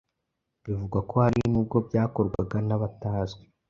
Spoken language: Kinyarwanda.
Bivugwa ko hari nubwo byakorwaga nabatazwi